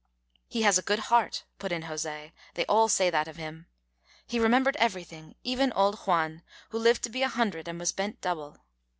"He has a good heart," put in José; "they all say that of him. He remembered everything even old Juan, who lived to be a hundred and was bent double.